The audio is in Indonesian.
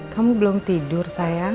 kamu belum tidur sayang